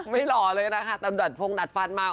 หล่อเลยนะคะแต่ดัดฟงดัดฟันมา